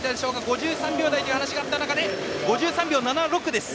５３秒台という話があった中で５３秒７６です。